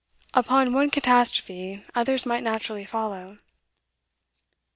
Upon one catastrophe, others might naturally follow.